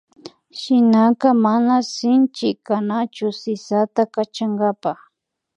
Shinaka mana sinchi kanachu sisata kachankapa